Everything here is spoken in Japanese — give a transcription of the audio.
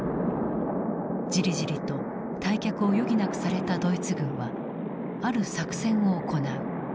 じりじりと退却を余儀なくされたドイツ軍はある作戦を行う。